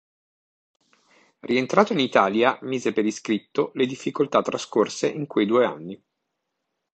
Rientrato in Italia, mise per iscritto le difficoltà trascorse in quei due anni.